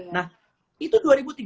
nah itu dua ribu tiga belas